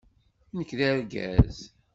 Nekk d argaz.